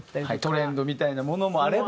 トレンドみたいなものもあれば。